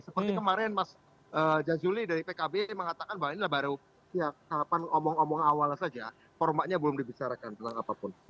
seperti kemarin mas jazuli dari pkb mengatakan bahwa inilah baru ya tahapan omong omong awal saja formatnya belum dibicarakan tentang apapun